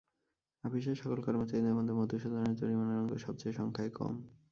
আপিসের সকল কর্মচারীদের মধ্যে মধুসূদনের জরিমানার অঙ্ক সব চেয়ে সংখ্যায় কম।